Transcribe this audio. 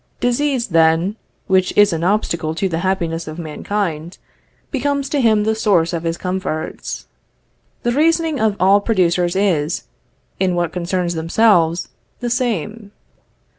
Disease, then, which is an obstacle to the happiness of mankind, becomes to him the source of his comforts. The reasoning of all producers is, in what concerns themselves, the same.